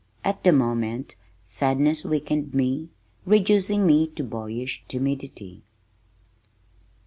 At the moment sadness weakened me, reducing me to boyish timidity.